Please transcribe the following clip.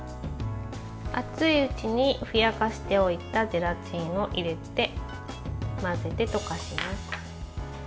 熱いうちにふやかしておいたゼラチンを入れて、混ぜて溶かします。